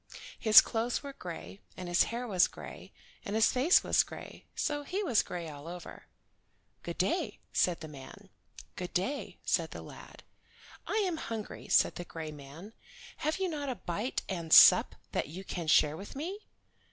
His clothes were gray, and his hair was gray, and his face was gray, so he was gray all over. "Good day," said the man. "Good day," said the lad. "I am hungry," said the gray man. "Have you not a bite and sup that you can share with me?"